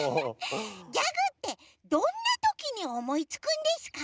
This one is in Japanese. ギャグってどんなときにおもいつくんですか？